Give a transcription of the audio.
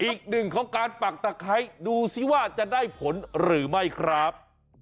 อีกหนึ่งของการปักตะไคร้ดูซิว่าจะได้ผลหรือไม่ครับ